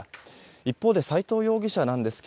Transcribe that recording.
一方で、斎藤容疑者なんですが